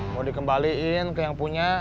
mau dikembaliin ke yang punya